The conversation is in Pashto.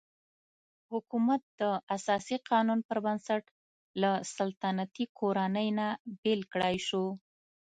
حکومت د اساسي قانون پر بنسټ له سلطنتي کورنۍ نه بېل کړای شو.